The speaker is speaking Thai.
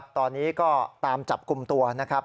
ตอนนี้ก็ตามจับกลุ่มตัวนะครับ